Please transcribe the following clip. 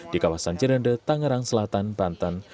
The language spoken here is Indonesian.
di kawasan cirende tangerang selatan banten